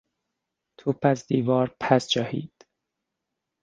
توپ از دیوار پس جهید.